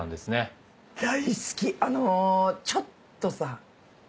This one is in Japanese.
「あのちょっとさ」